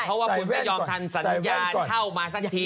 เพราะว่าคุณไม่ยอมทันสัญญาเข้ามาสักที